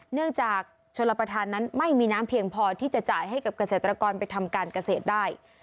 จากชนรับประทานนั้นไม่มีน้ำเพียงพอที่จะจ่ายให้กับเกษตรกรไปทำการเกษตรได้